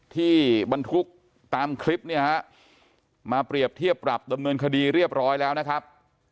บรรทุกตามคลิปเนี่ยฮะมาเปรียบเทียบปรับดำเนินคดีเรียบร้อยแล้วนะครับ